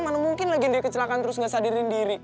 mana mungkin lagi dia kecelakaan terus gak sadarin diri